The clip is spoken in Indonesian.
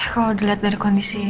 kalau dilihat dari kondisi